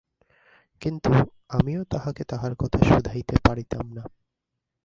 কিন্তু, আমিও তাঁহাকে তাহার কথা শুধাইতে পারিতাম না।